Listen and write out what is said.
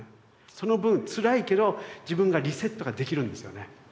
その分つらいけど自分がリセットができるんですよね。